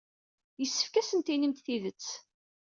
Yessefk ad asen-tinimt tidet.